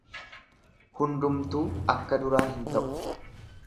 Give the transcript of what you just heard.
Hundumtuu akka duraa hin ta'u.